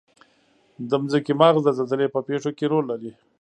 د ځمکې مغز د زلزلې په پیښو کې رول لري.